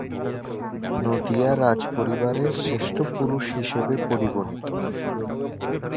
নদিয়া রাজপরিবারের শ্রেষ্ঠ পুরুষ হিসেবে পরিগণিত।